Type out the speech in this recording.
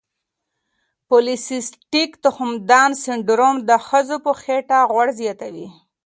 پولی سیسټیک تخمدان سنډروم د ښځو په خېټه غوړ زیاتوي.